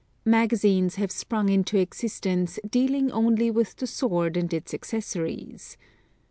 Magazines have sprung into existence dealing only with the sword and its accessories.